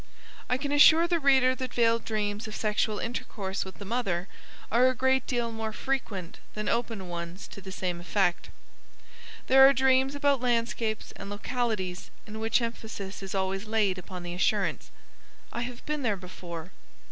I can assure the reader that veiled dreams of sexual intercourse with the mother are a great deal more frequent than open ones to the same effect. There are dreams about landscapes and localities in which emphasis is always laid upon the assurance: "I have been there before."